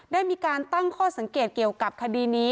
ได้มีการตั้งข้อสังเกตเกี่ยวกับคดีนี้